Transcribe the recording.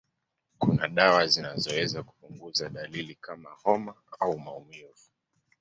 Kuna dawa zinazoweza kupunguza dalili kama homa au maumivu.